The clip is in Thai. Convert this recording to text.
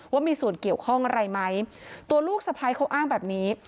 ว่ามีส่วนเกี่ยวข้องอะไรไหมตัวลูกสะพ้ายเขาอ้างแบบนี้